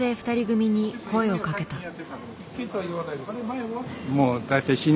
２人組に声をかけた。